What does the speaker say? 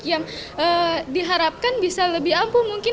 yang diharapkan bisa lebih ampuh mungkin